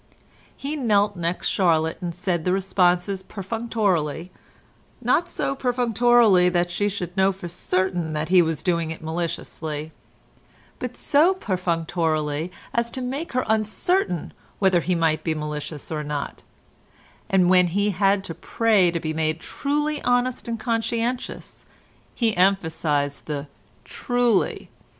He knelt next Charlotte and said the responses perfunctorily, not so perfunctorily that she should know for certain that he was doing it maliciously, but so perfunctorily as to make her uncertain whether he might be malicious or not, and when he had to pray to be made truly honest and conscientious he emphasised the "truly."